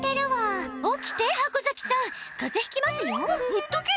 ほっとけ！